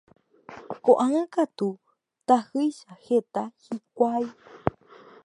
ko'ág̃a katu tahýicha heta hikuái.